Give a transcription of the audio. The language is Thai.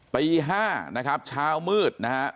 ปี๕นะครับเช้ามืด